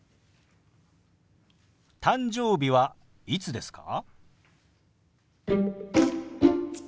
「誕生日はいつですか？」。